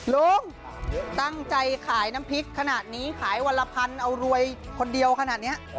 ลุงตั้งใจขายน้ำพริกขนาดนี้ขายวันละพันเอารวยคนเดียวขนาดนี้